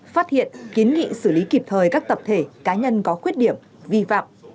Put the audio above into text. phát hiện kiến nghị xử lý kịp thời các tập thể cá nhân có khuyết điểm vi phạm